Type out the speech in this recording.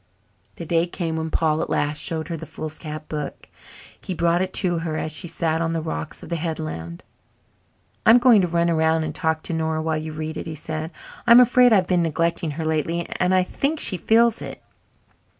The day came when Paul at last showed her the foolscap book. He brought it to her as she sat on the rocks of the headland. "I'm going to run around and talk to Nora while you read it," he said. "I'm afraid I've been neglecting her lately and I think she feels it."